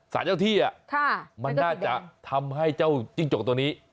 สารเจ้าที่มันน่าจะทำให้เจ้าจิ้งจกตัวนี้